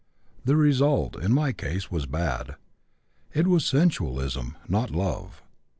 The result, in my case, was bad. It was sensualism, not love.